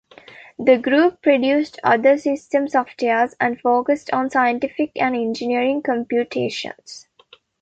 The group produced other system software and focused on scientific and engineering computations.